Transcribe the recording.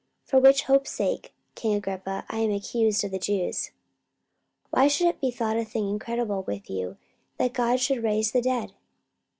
For which hope's sake, king Agrippa, I am accused of the Jews. 44:026:008 Why should it be thought a thing incredible with you, that God should raise the dead?